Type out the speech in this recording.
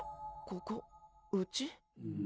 ここうち？